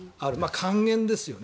還元ですよね。